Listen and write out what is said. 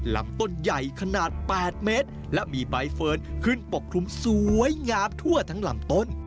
ลำต้นใหญ่ขนาด๘เมตรและมีใบเฟิร์นขึ้นปกคลุมสวยงามทั่วทั้งลำต้น